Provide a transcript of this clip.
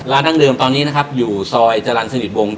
ร้านดังเดิมตอนนี้นะครับอยู่ซอยจรันสนิทวง๗๒ครับ